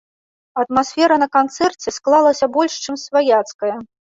Атмасфера на канцэрце склалася больш чым сваяцкая.